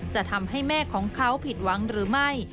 จะทำให้แม่ของเขาผิดหวังหรือไม่